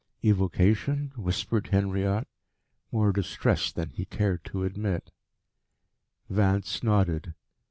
"Evocation?" whispered Henriot, more distressed than he cared to admit. Vance nodded.